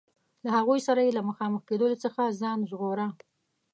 له هغوی سره یې له مخامخ کېدلو څخه ځان ژغوره.